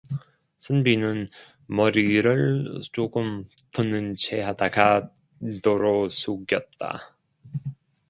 선비는 머리를 조금 드는 체하다가 도로 숙였다.